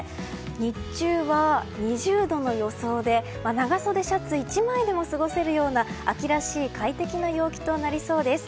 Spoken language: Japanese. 日中は２０度の予想で長袖シャツ１枚でも過ごせるような秋らしい快適な陽気となりそうです。